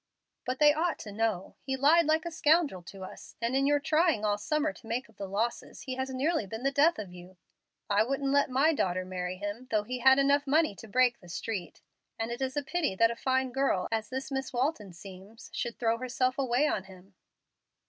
"But they ought to know. He lied like a scoundrel to us, and in your trying all summer to make up the losses, he has nearly been the death of you. I wouldn't let my daughter marry him though he had enough money to break the Street: and it is a pity that a fine girl, as this Miss Walton seems, should throw herself away on him."